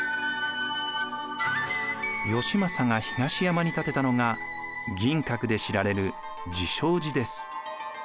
義政が東山に建てたのが銀閣で知られる慈照寺です。